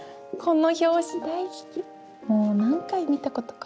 もう何回見たことか。